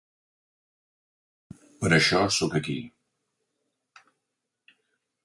Per això soc aquí.